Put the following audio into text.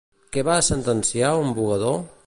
Què va sentenciar un vogador?